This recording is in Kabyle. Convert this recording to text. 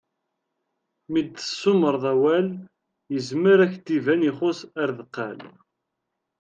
Mi d-tsumreḍ awal, yezmer ad ak-d-iban ixuss ar deqqal.